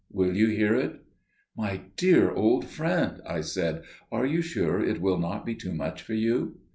Will you hear it?" "My dear old friend," I said, "are you sure it will not be too much for you?"